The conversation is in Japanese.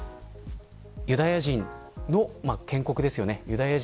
ユダヤ人の建国ですよね。